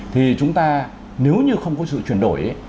thì chúng ta nếu như không có sự chuyển đổi